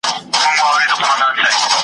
حکومت د خلکو باور ته اړتیا لري.